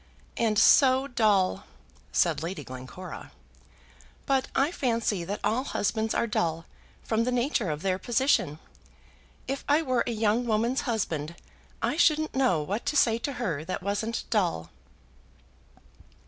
"And so dull!" said Lady Glencora. "But I fancy that all husbands are dull from the nature of their position. If I were a young woman's husband, I shouldn't know what to say to her that wasn't dull."